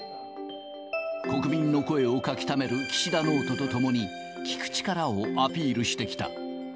国民の声を書きためる岸田ノートとともに、聞く力をアピールしてきた。